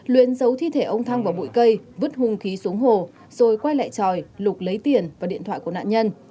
luyến giấu thi thể ông thăng vào bụi cây vứt hung khí xuống hồ rồi quay lại tròi lục lấy tiền và điện thoại của nạn nhân